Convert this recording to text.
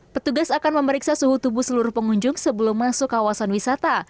petugas akan memeriksa suhu tubuh seluruh pengunjung sebelum masuk kawasan wisata